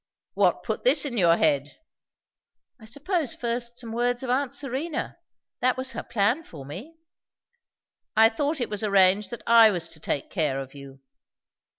"What put this in your head?" "I suppose, first, some words of aunt Serena. That was her plan for me." "I thought it was arranged that I was to take care of you."